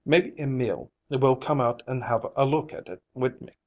Maybe Emil will come out an' have a look at it wid me."